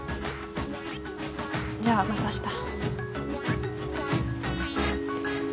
じゃあまたあした。